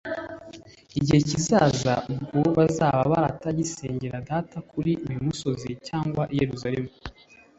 igihe kizaza ubwo bazaba batagisengera Data kuri uyu musozi cyangwa i Yerusalemu.